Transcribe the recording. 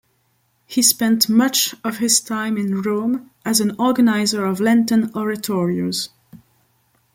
He spent much of his time in Rome as an organiser of Lenten oratorios.